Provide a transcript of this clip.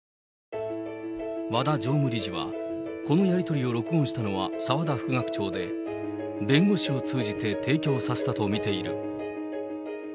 和田常務理事は、このやり取りを録音したのは澤田副学長で、弁護士を通じて提供させたと見ている。